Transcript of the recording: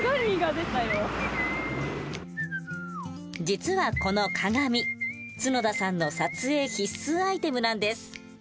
実はこの鏡角田さんの撮影必須アイテムなんです。